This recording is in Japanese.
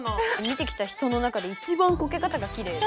見てきた人の中で一番こけ方がきれい。